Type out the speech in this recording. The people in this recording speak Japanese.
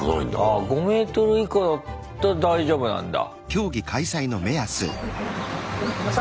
あ５ｍ以下だったら大丈夫なんだ。